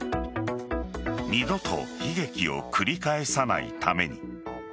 二度と悲劇を繰り返さないために。